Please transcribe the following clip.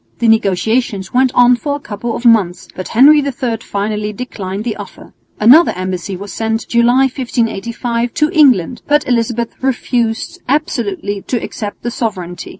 The negotiations went on for a couple of months, but Henry III finally declined the offer. Another embassy was sent, July, 1585, to England, but Elizabeth refused absolutely to accept the sovereignty.